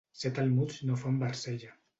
Set almuds no fan barcella.